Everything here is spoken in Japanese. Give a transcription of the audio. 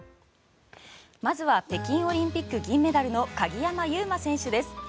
まずは北京オリンピック銀メダルの鍵山優真選手です。